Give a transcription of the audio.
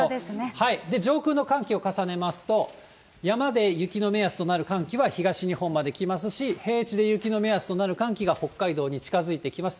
上空の寒気を重ねますと、山で雪の目安となる寒気は東日本まで来ますし、平地で雪の目安となる寒気が北海道に近づいてきます。